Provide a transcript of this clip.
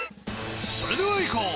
それではいこう！